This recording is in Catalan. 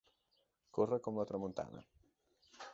Córrer com la tramuntana.